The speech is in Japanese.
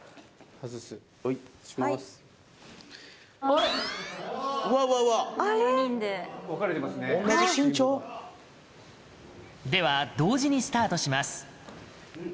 この４人ででは同時にスタートします。